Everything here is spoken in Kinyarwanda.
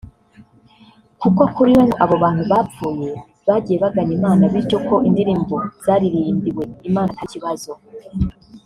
kuko kuri we ngo abo bantu bapfuye bagiye bagana Imana bityo ko indirimbo zaririmbiwe Imana atari ikibazo